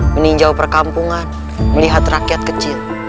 meninjau perkampungan melihat rakyat kecil